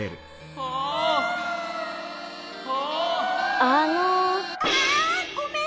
あごめん！